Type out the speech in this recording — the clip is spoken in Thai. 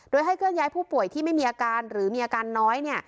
โดยให้เคลื่อนย้ายผู้ป่วยที่ไม่มีอาการหรือมีอาการน้อย